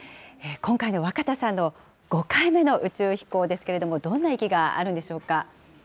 今回の若田さんの５回目の宇宙飛行ですけれども、どんな意義があるんでしょうか。